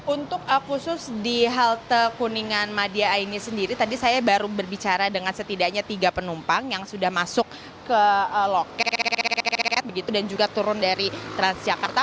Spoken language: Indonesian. untuk khusus di halte kuningan madia ini sendiri tadi saya baru berbicara dengan setidaknya tiga penumpang yang sudah masuk ke loket dan juga turun dari transjakarta